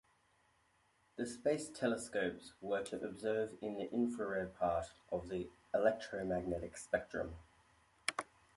The space telescopes were to observe in the infrared part of the electromagnetic spectrum.